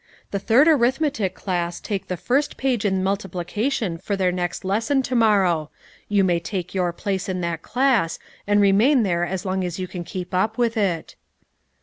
The third arithmetic class take the first page in multiplication for their next lesson to morrow; you may take your place in that class, and remain there as long as you can keep up with it."